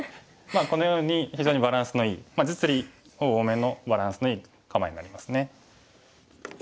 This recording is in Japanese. このように非常にバランスのいい実利多めのバランスのいい構えになりますね。